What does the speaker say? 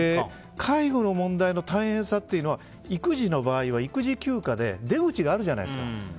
介護の問題の大変さというのは育児の場合は、育児休暇で出口があるじゃないですか。